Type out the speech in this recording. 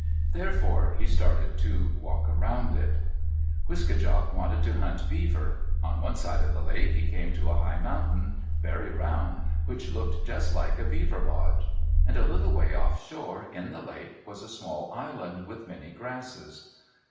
Therefore he started to walk around it. Wiske djak wanted to hunt beaver. On one side of the lake he came to a high mountain, very round, which looked just like a beaver lodge. And a little way offshore, in the lake, was a small island, with many grasses.